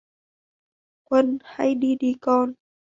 Quân Hãy đi đi con